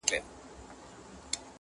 o ښکاري وایې دا کم اصله دا زوی مړی,